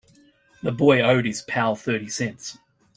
The boy owed his pal thirty cents.